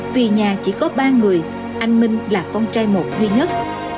vì nhà chỉ có ba người anh minh là con trai một duy nhất